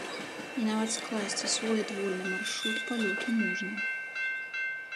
І нават скласці свой адвольны маршрут палёту можна.